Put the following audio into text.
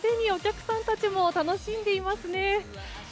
すでにお客さんたちも楽しんでいます。